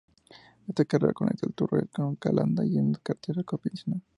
Esta carretera conecta Teruel con Calanda, y es una carretera convencional.